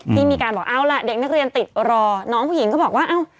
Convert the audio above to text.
ที่มีการบอกเอาล่ะเด็กนักเรียนติดรอน้องผู้หญิงก็บอกว่าเอ้า